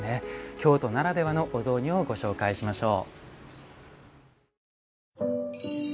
京都ならではのお雑煮をご紹介しましょう。